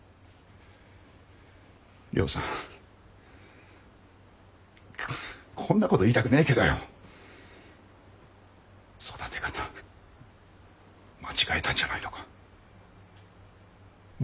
亮さんこんなこと言いたくないけど育て方間違えたんじゃないのか？